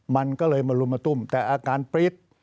มันก็เลยมารุมมาตุ้มแต่อาการปรี๊ด